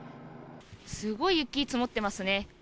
すごい雪積もってますね。